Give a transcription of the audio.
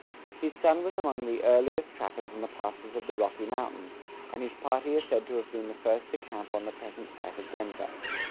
His son was among the earliest trappers in the passes of the Rocky Mountains, and his party are said to have been the first to camp on the present site of Denver.